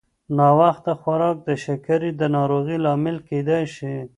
ناوخته خوراک د شکرې د ناروغۍ لامل کېدای شي.